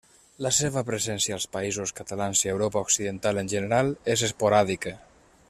La seva presència als Països Catalans, i a Europa Occidental en general, és esporàdica.